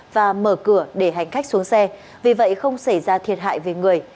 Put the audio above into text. và mở cửa để hành khách xuống xe vì vậy không xảy ra thiệt hại về người